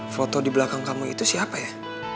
foto di belakang kamu itu siapa ya